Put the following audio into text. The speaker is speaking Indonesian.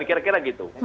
ya kira kira gitu